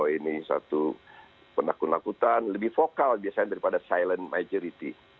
ini satu penakut nakutan lebih vokal biasanya daripada silent majority